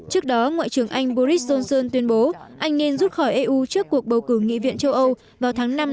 trước đó ngoại trưởng anh boris johnson tuyên bố anh nên rút khỏi eu trước cuộc bầu cử nghị viện châu âu vào tháng năm năm hai nghìn hai